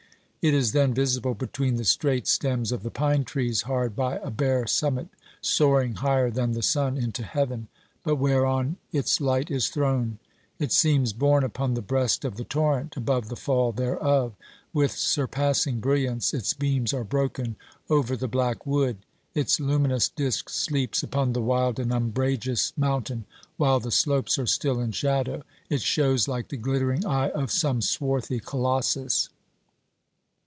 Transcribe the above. It is then visible between the straight stems of the pine trees hard by a bare summit soaring higher than the sun into heaven, but whereon its light is thrown ; it seems borne upon the breast of the torrent, above the fall thereof; with surpassing brilliance its beams are broken over the black wood ; its luminous disc sleeps upon the wild and umbrageous mountain while the slopes are still in shadow ; it shows like the glittering eye of some swarthy colossus.